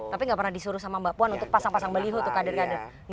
tapi gak pernah disuruh sama mbak puan untuk pasang pasang beliho tuh kadang kadang